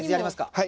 はい。